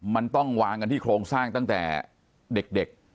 มันต้องวางกันที่โครงสร้างตั้งแต่เด็ก